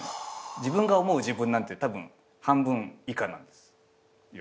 自分が思う自分なんてたぶん半分以下なんですよ。